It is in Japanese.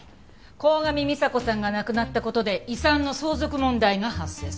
鴻上美沙子さんが亡くなった事で遺産の相続問題が発生する。